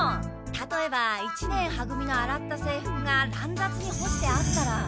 たとえば一年は組のあらった制服が乱雑にほしてあったら。